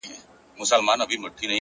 تاته پرده کي راځم تا نه بې پردې وځم;